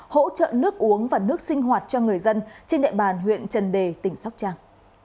hỗ trợ nước uống và nước sinh hoạt cho người dân trên địa bàn huyện trần đề tỉnh sóc trăng